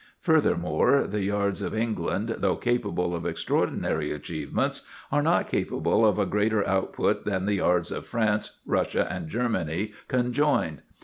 Furthermore, the yards of England, though capable of extraordinary achievements, are not capable of a greater output than the yards of France, Russia, and Germany conjoined.